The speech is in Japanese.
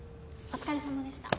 お疲れさまでした。